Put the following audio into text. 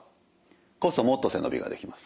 こうするともっと背伸びができます。